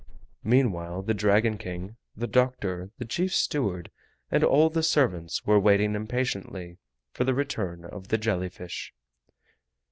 Meanwhile the Dragon King, the doctor, the chief steward, and all the servants were waiting impatiently for the return of the jelly fish.